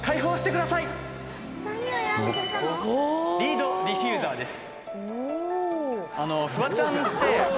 リードディフューザーです。